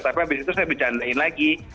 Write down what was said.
tapi habis itu saya bercandain lagi